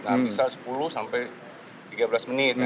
nah bisa sepuluh sampai tiga belas menit